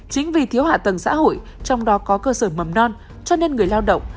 chính vì thiếu hạ tầng xã hội trong đó có cơ sở mầm non cho nên người lao động